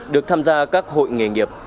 được tham gia các hội nghề nghiệp